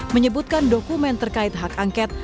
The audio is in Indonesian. menyebutkan dokumen terkait hak angket